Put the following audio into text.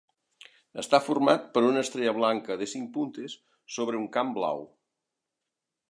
Està format per una estrella blanca de cinc puntes sobre un camp blau.